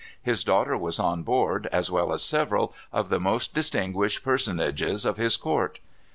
His daughter was on board, as well as several of the most distinguished personages of his court.